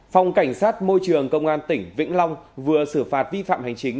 phòng cảnh sát môi trường công an tỉnh vĩnh long vừa xử phạt vi phạm hành chính